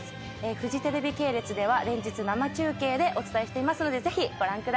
フジテレビ系列では連日生中継でお伝えしていますのでぜひご覧ください。